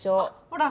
ほら。